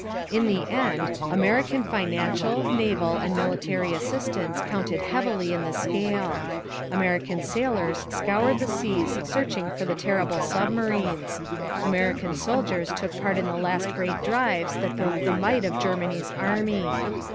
In the end, American financial, naval, and military assistance counted heavily in the scale. American sailors scoured the seas searching for the terrible submarines. American soldiers took part in the last great drives that broke the might of Germany's army.